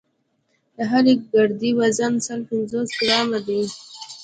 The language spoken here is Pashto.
د هرې ګردې وزن سل پنځوس ګرامه دی.